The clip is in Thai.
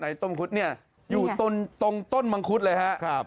ไหนต้มมคุดเนี่ยอยู่ต้นต้นต้นมังคุดเลยฮะ